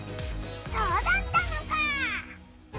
そうだったのか！